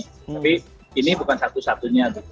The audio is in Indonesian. tapi ini bukan satu satunya